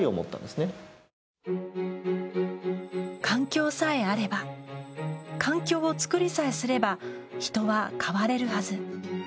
環境さえあれば環境を作りさえすれば人は変われるはず。